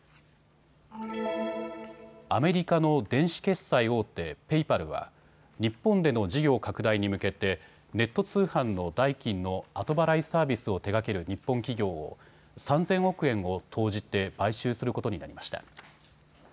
アメリカの電子決済大手、ペイパルは日本での事業拡大に向けてネット通販の代金の後払いサービスを手がける日本企業を３０００億円を投じて買収することになりました。